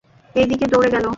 এই দিকে দৌড়ে গেল।